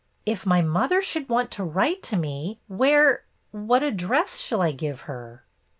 "If my mother should want to write to me, where — what address shall I give her?"